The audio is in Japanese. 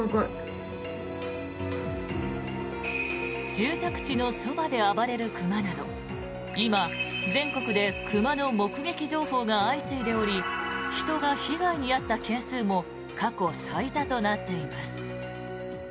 住宅地のそばで暴れる熊など今、全国で熊の目撃情報が相次いでおり人が被害に遭った件数も過去最多となっています。